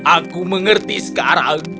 aku mengerti sekarang